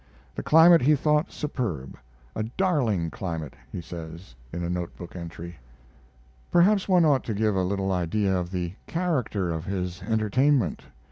The climate he thought superb; "a darling climate," he says in a note book entry. Perhaps one ought to give a little idea of the character of his entertainment.